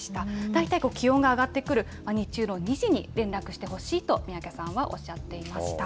大体気温が上がってくる日中の２時に、連絡してほしいと、三宅さんはおっしゃっていました。